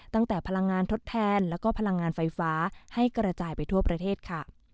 ตั้งแต่พลังงานทดแทนแล้วก็พลังงานไฟฟ้าให้กระจายไปทั่วประเทศค่ะ